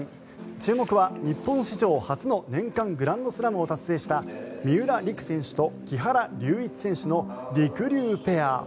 注目は日本史上初の年間グランドスラムを達成した三浦璃来選手と木原龍一選手のりくりゅうペア。